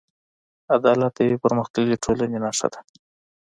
عدالت د یوې پرمختللې ټولنې نښه ده.